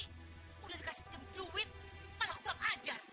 sudah dikasih pinjam duit malah kurang ajar